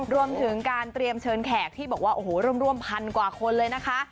รวมถึงการเตรียมเชิญแขกที่บอกว่าโอ้โหร่วมพันกว่าคนเลยนะคะ